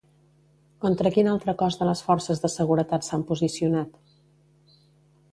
Contra quin altre cos de les forces de seguretat s'han posicionat?